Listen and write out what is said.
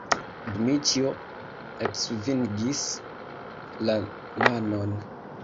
Dmiĉjo eksvingis la manon.